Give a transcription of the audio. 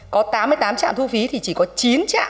có tám mươi tám chạm thu phí thì chỉ có chín chạm